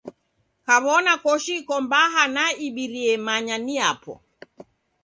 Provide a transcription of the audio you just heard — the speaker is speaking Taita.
Kaw'ona koshi iko mbaha na ibirie manya ni yapo.